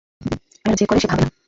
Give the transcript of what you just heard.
আর যে করে, সে ভাবে না।